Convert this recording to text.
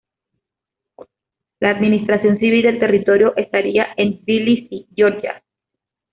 La administración civil del territorio estaría en Tbilisi, Georgia.